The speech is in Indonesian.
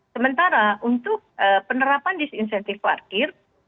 sementara untuk penerapan disinsentif parkir